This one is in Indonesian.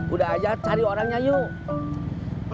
udah aja cari orangnya yuk